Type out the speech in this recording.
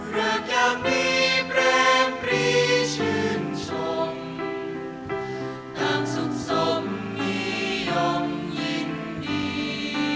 เลือกอย่างนี้แปลกปรีชื่นชมตามสุขสมนี้ยอมยินดี